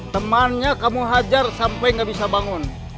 temannya kamu hajar sampai gak bisa bangun